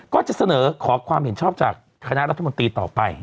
ก็จะเสนอขอความเห็นชอบจากคณะรัฐมนตรีต่อไป